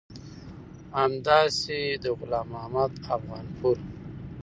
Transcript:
همداسې د غلام محمد افغانپور